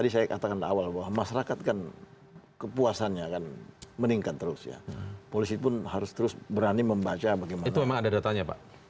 sampai jumpa di video selanjutnya